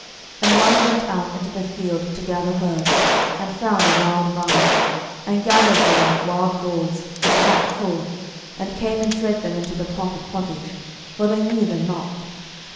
12:004:039 And one went out into the field to gather herbs, and found a wild vine, and gathered thereof wild gourds his lap full, and came and shred them into the pot of pottage: for they knew them not.